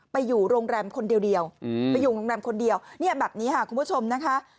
ไปอยู่โรงแรมคนเดียวนี่แบบนี้คุณผู้ชมนะคะ